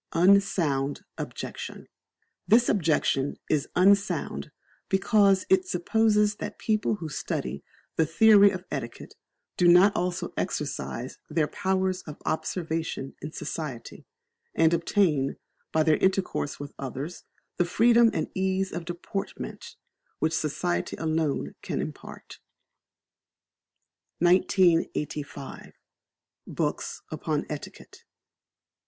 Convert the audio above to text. Unsound Objection. This objection is unsound because it supposes that people who study the theory of etiquette do not also exercise their powers of observation in society, and obtain, by their intercourse with others, that freedom and ease of deportment which society alone can impart. [BETTER GO TO BED SUPPERLESS THAN RISE IN DEBT.] 1985. Books upon Etiquette.